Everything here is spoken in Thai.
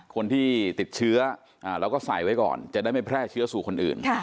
คนที่ติดเชื้อเราก็ใส่ไว้ก่อนจะได้ไม่แพร่เชื้อสู่คนอื่น